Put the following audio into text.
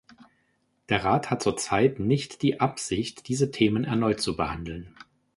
Der Rat hat zur Zeit nicht die Absicht, diese Themen erneut zu behandeln.